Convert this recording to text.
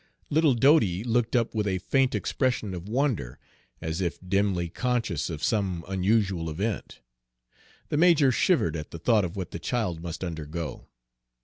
Little Dodie looked up with a faint expression of wonder, as if dimly conscious of some unusual event. The major shivered at the thought of what the child must undergo.